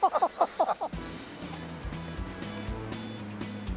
ハハハハ。